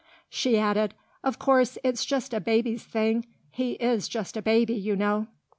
She added, "Of course it's just a baby's thing. He is just a baby, you know."